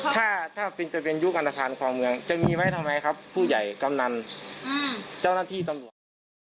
ถ้าจะเป็นยุคอันตรภัณฑ์ความเมืองจะมีไหมทำไมครับผู้ใหญ่กำนันเจ้านักที่ตำรวจ